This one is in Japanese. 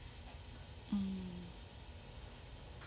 うん。